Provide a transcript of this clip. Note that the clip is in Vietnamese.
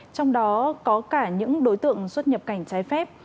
trong đó có cả những đối tượng xuất nhập cảnh trái phép